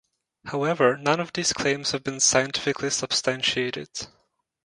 However, none of these claims have been scientifically substantiated.